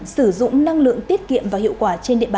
sử dụng năng lượng tiết kiệm và hiệu quả trên địa bàn